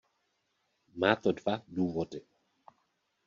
Má to dva důvody.